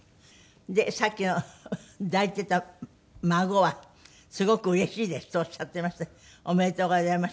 さっきの抱いていた孫は「すごくうれしいです」とおっしゃっていましておめでとうございました。